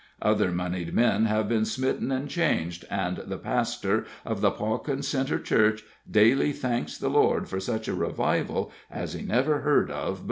Other moneyed men have been smitten and changed, and the pastor of the Pawkin Centre Church daily thanks the Lord for such a revival as he never heard of before.